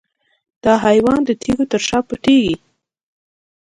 دا حیوان د تیږو تر شا پټیږي.